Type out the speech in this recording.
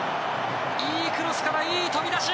いいクロスからいい飛び出し！